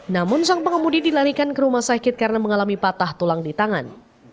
namun sang pengemudi dilarikan ke rumah sakit karena mengalami patah tulang di tangan